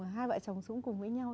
hai vợ chồng sống cùng với nhau